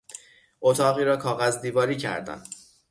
اتاقی را کاغذ دیواری کردن